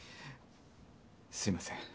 すいません。